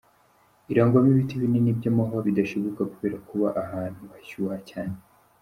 Irangwamo ibiti binini by’amahwa bidashibuka. kubera kuba ahantu hashyuha cyane.